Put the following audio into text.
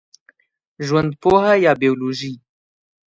ژوندپوهه یا بېولوژي